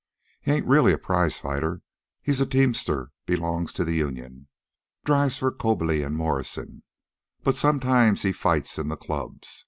He ain't really a prize fighter. He's a teamster belongs to the union. Drives for Coberly and Morrison. But sometimes he fights in the clubs.